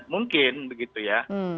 mungkin begitu ya